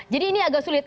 jadi ini agak sulit